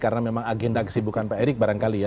karena memang agenda kesibukan pak erik barangkali ya